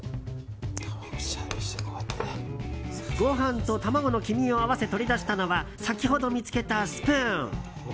ご飯と卵の黄身を合わせ取り出したのは先ほど見つけたスプーン。